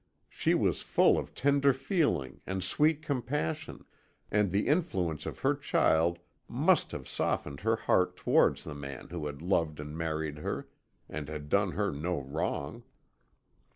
She was full of tender feeling and sweet compassion, and the influence of her child must have softened her heart towards the man who had loved and married her, and had done her no wrong.